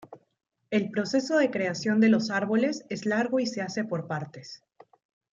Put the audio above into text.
El proceso de creación de los árboles es largo y se hace por partes.